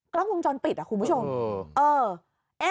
กล้องวงจรปิดอ่ะคุณผู้ชม